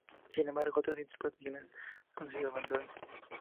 Sin embargo, otras interpretaciones han sido avanzadas.